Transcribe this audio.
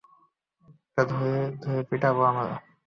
একেকটারে ধরে ধরে পিটাবো আমরা!